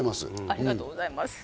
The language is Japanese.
ありがとうございます。